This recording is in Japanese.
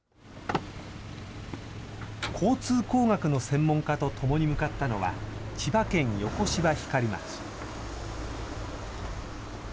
交通工学の専門家と共に向かったのは、千葉県横芝光町。